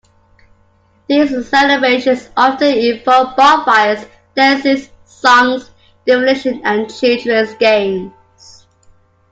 These celebrations often involve bonfires, dances, songs, divination and children's games.